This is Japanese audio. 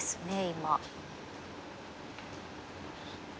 今。